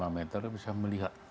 dua puluh lima meter bisa melihat